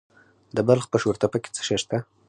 د بلخ په شورتپه کې څه شی شته؟